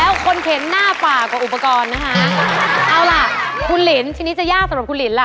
เอาล่ะคุณลินที่นี้จะยากสำหรับคุณลินล่ะ